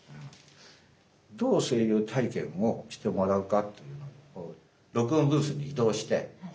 どう声優体験をしてもらうかというのを録音ブースに移動して確認したいと思います。